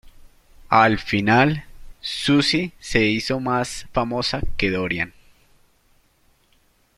Al final, Suzy se hizo más famosa que Dorian.